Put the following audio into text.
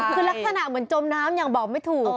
คือลักษณะเหมือนจมน้ำยังบอกไม่ถูก